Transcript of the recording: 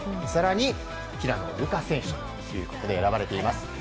更に平野流佳選手ということで選ばれています。